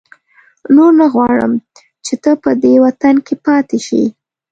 نور نه غواړم چې ته په دې وطن کې پاتې شې.